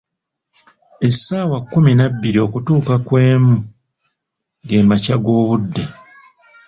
Essaawa kkumi nabbiri okutuuka ku emu , ge makya g'obudde.